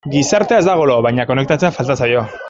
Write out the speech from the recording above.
Gizartea ez dago lo, baina konektatzea falta zaio.